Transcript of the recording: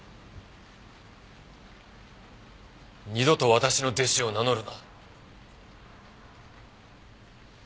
二度と私の弟子を名乗るな。